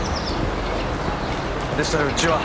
でしたらうちは。